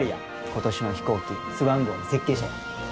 今年の飛行機スワン号の設計者や。